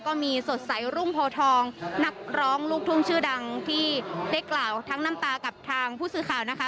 ก็มีสดใสรุ่งโพทองนักร้องลูกทุ่งชื่อดังที่ได้กล่าวทั้งน้ำตากับทางผู้สื่อข่าวนะคะ